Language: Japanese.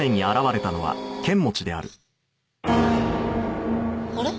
あれ？